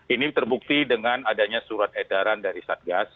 ini terbukti dengan adanya surat edaran dari satgas